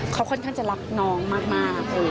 เขาค่อนข้างจะรักน้องมาก